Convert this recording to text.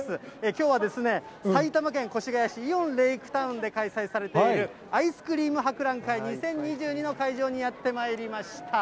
きょうは埼玉県越谷市、イオンレイクタウンで開催されている、アイスクリーム博覧会２０２２の会場にやってまいりました。